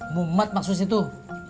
mumet maksudnya tuh